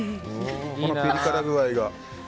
このピリ辛具合が。